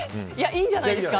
いいんじゃないですか。